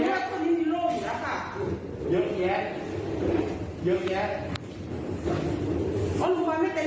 นั่นแล้วก็มาถึงพวกคุณหน้าต่อส่วน